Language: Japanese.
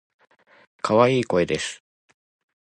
可愛い声です。